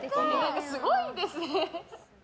すごいですね。